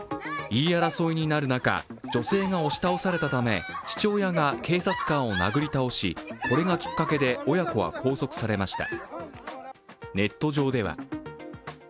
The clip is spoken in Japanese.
言い争いになる中、女性が押し倒されたため、父親が警察官を殴り倒しこれがきっかけで親子は拘束されました。